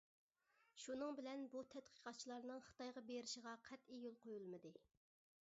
شۇنىڭ بىلەن بۇ تەتقىقاتچىلارنىڭ خىتايغا بېرىشىغا قەتئىي يول قويۇلمىدى.